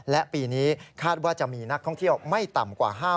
และปีนี้คาดว่าจะมีนักท่องเที่ยวไม่ต่ำกว่า